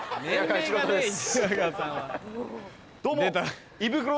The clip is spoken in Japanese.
どうも。